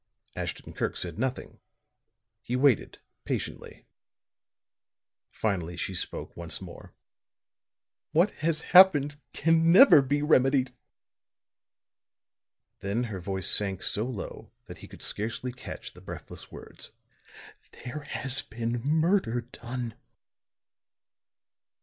Ashton Kirk said nothing; he waited patiently. Finally she spoke once more. "What has happened can never be remedied." Then her voice sank so low that he could scarcely catch the breathless words. "There has been murder done."